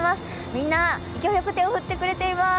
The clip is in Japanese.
みんな、勢いよく手を振ってくれています。